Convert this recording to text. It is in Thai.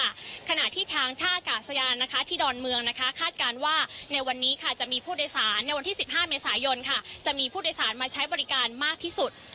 ขณะที่ทางท่าอากาศยานนะคะที่ดอนเมืองนะคะคาดการณ์ว่าในวันนี้ค่ะจะมีผู้โดยสารในวันที่๑๕เมษายนค่ะจะมีผู้โดยสารมาใช้บริการมากที่สุด